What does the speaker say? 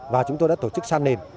và chúng tôi đã tổ chức san nền